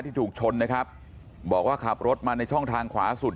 ถูกชนนะครับบอกว่าขับรถมาในช่องทางขวาสุด